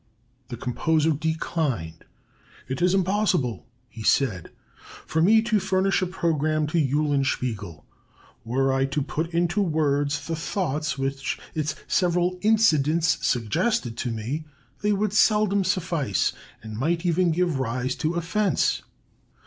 The composer declined. "It is impossible," he said, "for me to furnish a programme to Eulenspiegel; were I to put into words the thoughts which its several incidents suggested to me, they would seldom suffice, and might even give rise to offence.